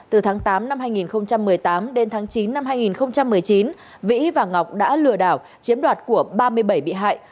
từ tháng tám năm hai nghìn một mươi tám đến tháng chín năm hai nghìn một mươi chín vĩ và ngọc đã lừa đảo chiếm đoạt của ba mươi bảy bị hại